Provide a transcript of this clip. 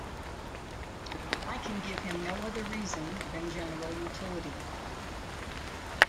I can give him no other reason than general utility.